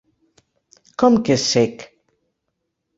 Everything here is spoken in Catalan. Com que és cec?